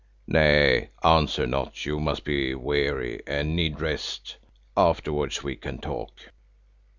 "Nay, answer not, you must be weary and need rest. Afterwards we can talk."